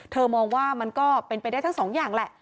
มองว่ามันก็เป็นไปได้ทั้งสองอย่างแหละ